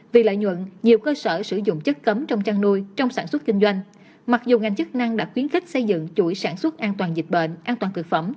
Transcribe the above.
vì lợi nhuận nhiều cơ sở sử dụng chất cấm trong trang nuôi trong sản xuất kinh doanh